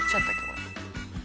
これ。